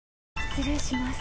失礼します。